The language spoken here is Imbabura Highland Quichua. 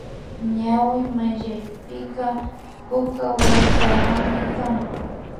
Ñawi mayllapika puka waytawami kan